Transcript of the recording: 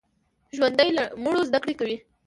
ژوندي له مړو زده کړه کوي